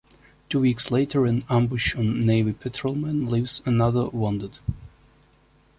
Two weeks later an ambush on Navy patrolmen leaves another wounded.